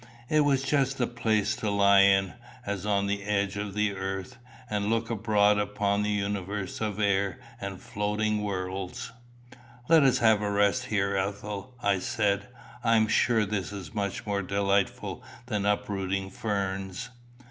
It was just the place to lie in, as on the edge of the earth, and look abroad upon the universe of air and floating worlds. "Let us have a rest here, Ethel," I said. "I am sure this is much more delightful than uprooting ferns.